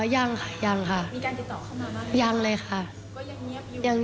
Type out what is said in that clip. ยังค่ะยังค่ะ